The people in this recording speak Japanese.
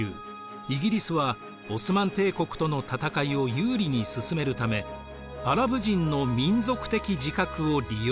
イギリスはオスマン帝国との戦いを有利に進めるためアラブ人の民族的自覚を利用しました。